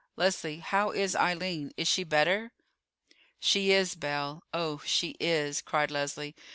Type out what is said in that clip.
Leslie, how is Eileen? Is she better?" "She is, Belle; oh, she is," cried Leslie.